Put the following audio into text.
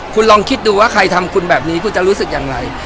คุณลองคิดดูว่าใครทำคุณแบบนี้คุณจะรู้สึกอย่างไร